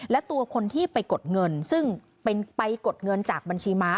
และตัวคนที่ไปกดเงินซึ่งเป็นไปกดเงินจากบัญชีม้า